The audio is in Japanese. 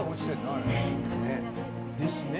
あれ。ですね。